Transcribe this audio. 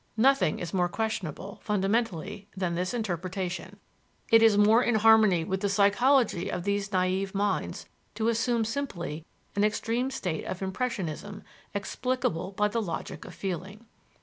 Nothing is more questionable, fundamentally, than this interpretation. It is more in harmony with the psychology of these naïve minds to assume simply an extreme state of "impressionism," explicable by the logic of feeling.